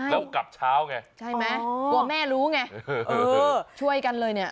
แล้วกลับเช้าไงใช่ไหมกลัวแม่รู้ไงเออช่วยกันเลยเนี่ย